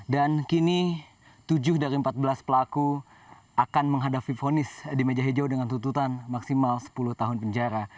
dan kini tujuh dari empat belas pelaku akan menghadapi ponis di meja hijau dengan tututan maksimal sepuluh tahun penjara